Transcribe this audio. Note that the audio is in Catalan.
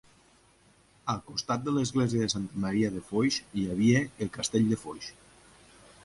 Al costat de l'església de Santa Maria de Foix hi havia el castell de Foix.